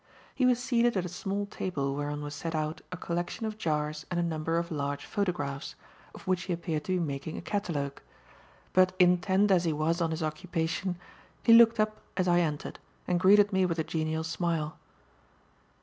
He was seated at a small table whereon was set out a collection of jars and a number of large photographs, of which he appeared to be making a catalogue; but intent as he was on his occupation, he looked up as I entered and greeted me with a genial smile.